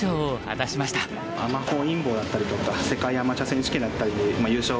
アマ本因坊だったりとか世界アマチュア選手権だったりで優勝